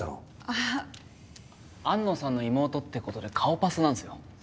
あっ安野さんの妹ってことで顔パスなんですよ